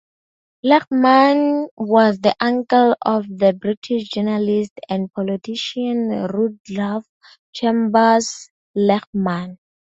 Lehmann was the uncle of the British journalist and politician Rudolf Chambers Lehmann.